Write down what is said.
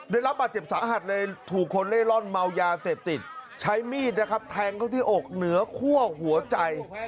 ได้รับบาดเจ็บสาหัสเลยถูกคนเล่ร่อนเมายาเสพติดใช้มีดนะครับแทงเขาที่อกเหนือคั่วหัวใจ